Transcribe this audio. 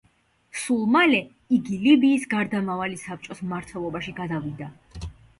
სულ მალე, იგი ლიბიის გარდამავალი საბჭოს მმართველობაში გადავიდა.